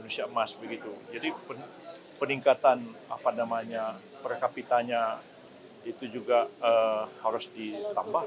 masa emas begitu jadi peningkatan perkapitanya itu juga harus ditambah